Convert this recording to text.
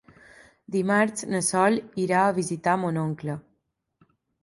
Dimarts na Sol irà a visitar mon oncle.